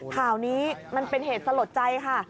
ข่าวนี้มันเป็นเหตุสลดใจค่ะ